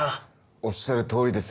おっしゃる通りです。